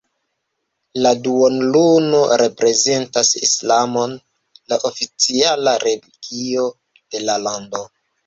La duonluno reprezentas Islamon, la oficiala religio de la lando.